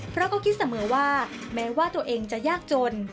ครอบครัวก็คิดเสมอว่าแม้ว่าตัวเองจะยากจน